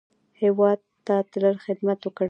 هېواد ته تل خدمت وکړئ